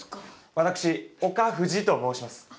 私岡藤と申します。